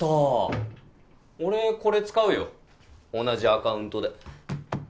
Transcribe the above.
俺これ使うよ同じアカウントで。